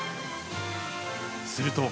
すると、